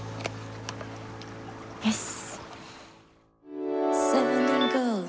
よし。